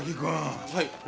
はい。